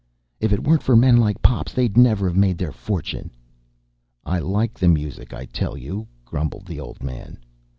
"If it weren't for men like Pops, they'd never've made their fortune." "I like the music, I tell you," grumbled the old man.